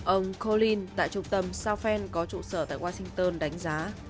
ông colin tại trung tâm southend có trụ sở tại washington đánh giá